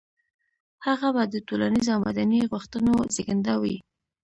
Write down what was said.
هغه به د ټولنيزو او مدني غوښتنو زېږنده وي.